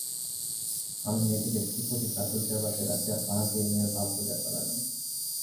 আমি মেয়েটিকে শ্রীপতি চাটুজ্যের বাসায় রাখিয়া তাহাকেই মেয়ের বাপ বলিয়া চালাইলাম।